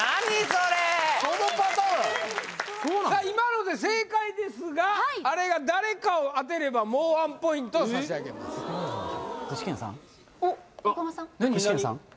今ので正解ですがあれが誰かを当てればもう１ポイント差し上げます横浜さん？